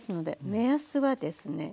目安はですね